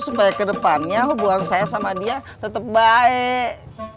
supaya ke depannya hubungan saya sama dia tetap baik